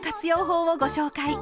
法をご紹介。